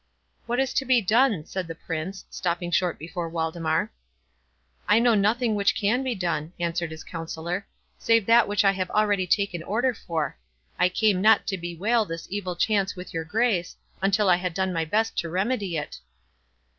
"What is to be done?" said the Prince, stopping short before Waldemar. "I know nothing which can be done," answered his counsellor, "save that which I have already taken order for.—I came not to bewail this evil chance with your Grace, until I had done my best to remedy it."